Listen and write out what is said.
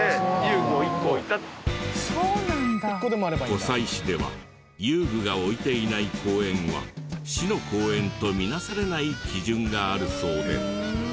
湖西市では遊具が置いていない公園は市の公園とみなされない基準があるそうで。